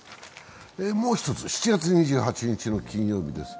もう１つ、７月２８日の金曜日です。